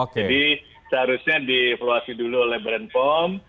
jadi seharusnya dievaluasi dulu oleh beranipom